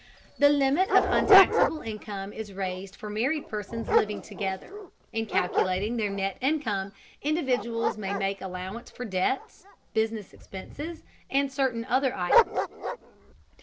The limit of untaxable income is raised for married persons living together. In calculating their net income, individuals may make allowance for debts, business expenses, and certain other items.